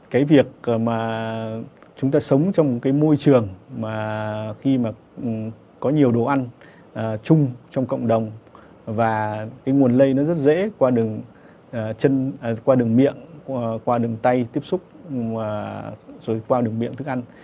cái việc mà chúng ta sống trong một cái môi trường mà khi mà có nhiều đồ ăn chung trong cộng đồng và cái nguồn lây nó rất dễ qua đường miệng qua đường tay tiếp xúc rồi qua đường miệng thức ăn